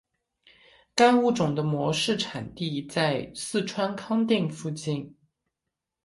该物种的模式产地在四川康定附近。